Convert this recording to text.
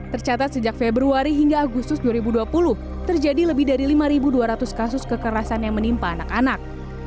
tercatat sejak februari hingga agustus dua ribu dua puluh terjadi lebih dari lima dua ratus kasus kekerasan yang menimpa anak anak